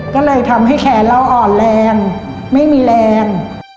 ก็เลยทำให้แขนเราอ่อนแรงไม่มีแรง